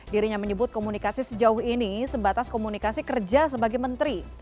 dirinya menyebut komunikasi sejauh ini sebatas komunikasi kerja sebagai menteri